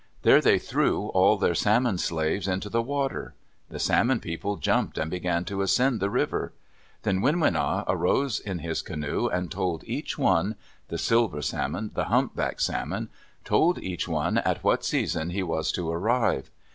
There they threw all their Salmon slaves into the water. The Salmon people jumped and began to ascend the river. Then Winwina arose in his canoe and told each one—the silver salmon, the hump back salmon—told each one at what season he was to arrive.